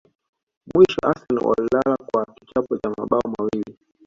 Mwisho Arsenal walilala kwa kichapo cha mabao mawili